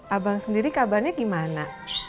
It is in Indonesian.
abang sendiri kabarnya gimana